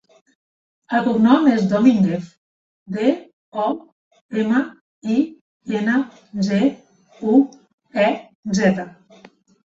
El cognom és Dominguez: de, o, ema, i, ena, ge, u, e, zeta.